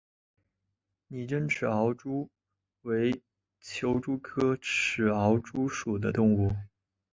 拟珍齿螯蛛为球蛛科齿螯蛛属的动物。